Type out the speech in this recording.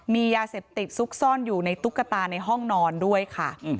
มียาเสพติดซุกซ่อนอยู่ในตุ๊กตาในห้องนอนด้วยค่ะ